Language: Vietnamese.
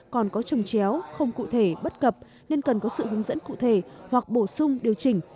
còn có trồng chéo không cụ thể bất cập nên cần có sự hướng dẫn cụ thể hoặc bổ sung điều chỉnh